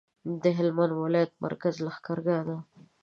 د هلمند ولایت مرکز لښکرګاه ده